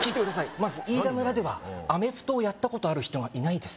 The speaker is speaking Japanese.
まずイイダ村ではアメフトをやったことある人がいないです